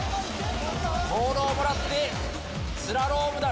ボールをもらってスラロームだ！